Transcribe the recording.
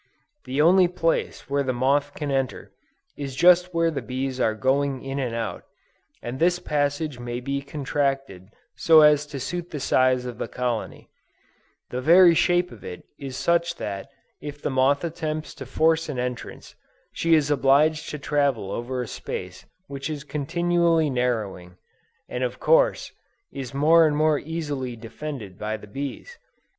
The only place where the moth can enter, is just where the bees are going in and out, and this passage may be contracted so as to suit the size of the colony: the very shape of it is such that if the moth attempts to force an entrance, she is obliged to travel over a space which is continually narrowing, and of course, is more and more easily defended by the bees.